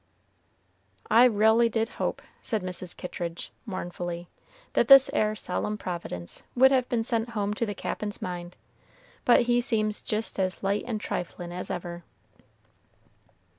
"I re'lly did hope," said Mrs. Kittridge, mournfully, "that this 'ere solemn Providence would have been sent home to the Cap'n's mind; but he seems jist as light and triflin' as ever."